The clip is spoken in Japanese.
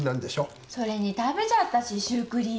それに食べちゃったしシュークリーム。